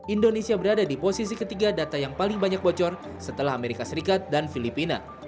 indonesia berada di posisi ketiga data yang paling banyak bocor setelah amerika serikat dan filipina